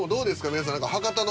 皆さん。